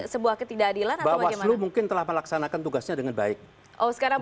sebuah ketidakadilan atau bagaimana mungkin telah melaksanakan tugasnya dengan baik oh sekarang